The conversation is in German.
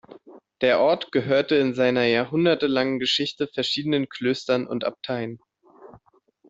Der Ort gehörte in seiner jahrhundertelangen Geschichte verschiedenen Klöstern und Abteien.